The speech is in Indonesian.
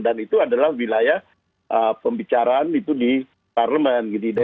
dan itu adalah wilayah pembicaraan itu di parlemen